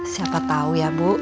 siapa tahu ya bu